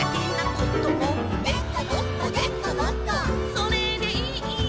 「それでいい」